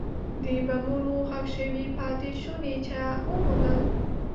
د بمونو ښخ شوي پاتې شوني چا وموندل.